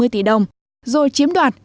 một trăm bảy mươi tỷ đồng rồi chiếm đoạt